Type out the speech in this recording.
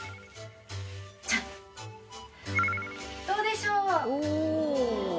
どうでしょう？